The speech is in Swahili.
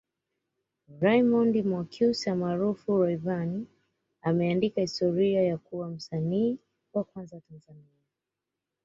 Raymond Mwakyusa maarufu Rayvanny ameandika historia ya kuwa msanii wa kwanza Tanzania